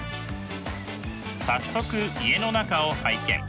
早速家の中を拝見。